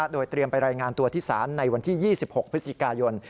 โดยเตรียมไปรายงานตัวที่ศาลในวันที่๒๖พฤศจิกายน